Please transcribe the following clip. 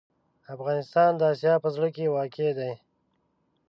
افغانستان د اسیا په زړه کې واقع دی.